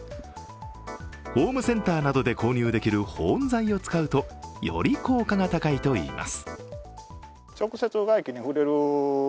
ホームセンターなどで購入できる保温剤を使うとより効果が高いといいます。